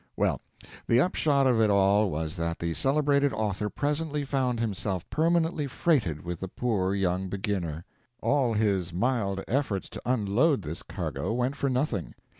Well, the upshot of it all was that the celebrated author presently found himself permanently freighted with the poor young beginner. All his mild efforts to unload this cargo went for nothing.